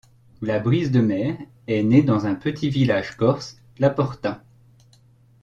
La Brise de Mer est née dans un petit village corse La Porta.